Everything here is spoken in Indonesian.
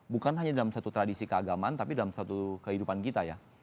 bukan hanya dalam satu tradisi keagamaan tapi dalam satu kehidupan kita ya